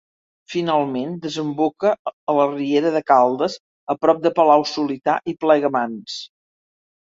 Finalment desemboca a la riera de Caldes a prop de Palau-solità i Plegamans.